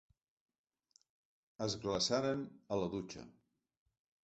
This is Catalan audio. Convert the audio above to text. Es glaçaren a la dutxa.